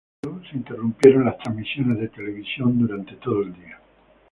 En señal de duelo, se interrumpieron las transmisiones de televisión durante todo el día.